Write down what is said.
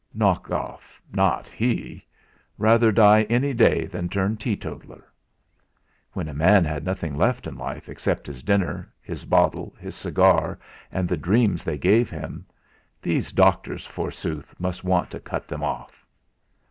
Knock off not he! Rather die any day than turn tee totaller! When a man had nothing left in life except his dinner, his bottle, his cigar, and the dreams they gave him these doctors forsooth must want to cut them off!